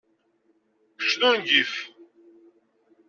Kečč d ungif!